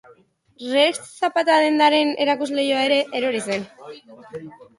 Rex zapata-dendaren erakusleihoa ere erori zen.